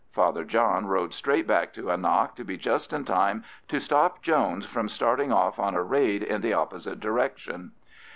Father John rode straight back to Annagh, to be just in time to stop Jones from starting off on a raid in the opposite direction.